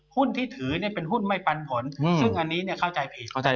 หุ้นที่ถือเป็นหุ้นไม่ปันผลซึ่งอันนี้เข้าใจผิดเลยครับ